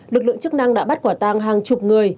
lực lượng chức năng đã bắt quả tang hàng chục người